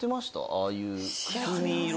ああいうくすみ色。